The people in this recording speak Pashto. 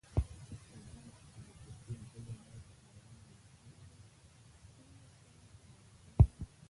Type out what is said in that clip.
د کیسې ژبه باید د عوامو له سویې سره برابره وي.